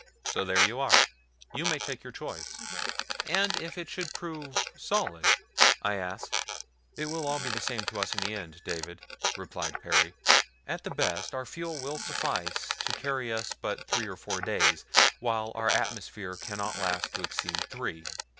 So there you are. You may take your choice." "And if it should prove solid?" I asked. "It will be all the same to us in the end, David," replied Perry. "At the best our fuel will suffice to carry us but three or four days, while our atmosphere cannot last to exceed three.